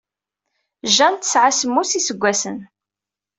Jane tesɛa semmus yesgaten.